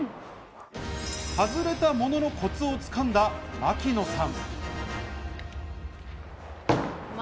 外れたものの、コツを掴んだ槙野さん。